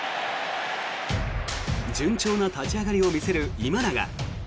順調な立ち上がりを見せる今永。